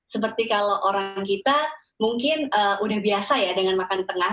seperti kalau orang kita mungkin udah biasa ya dengan makan tengah